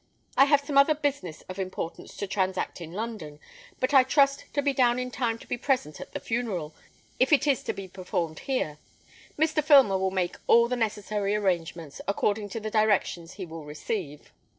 I have some other business of importance to transact in London, but I trust to be down in time to be present at the funeral, if it is to be performed here. Mr. Filmer will make all the necessary arrangements, according to the directions he will receive."